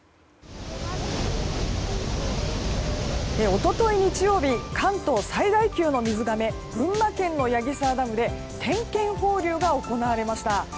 一昨日、日曜日関東最大級の水がめ群馬県の矢木沢ダムで点検放流が行われました。